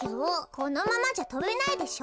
このままじゃとべないでしょ。